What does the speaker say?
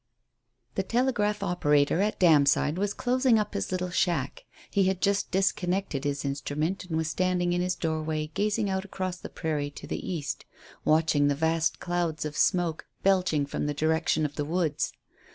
The telegraph operator at Damside was closing up his little shack. He had just disconnected his instrument and was standing in his doorway gazing out across the prairie to the east, watching the vast clouds of smoke belching from the direction of the woods.